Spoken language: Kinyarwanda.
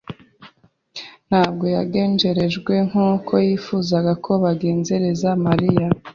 Ntabwo yagenjerejwe nk'uko yifuzaga ko bagenzereza Mariya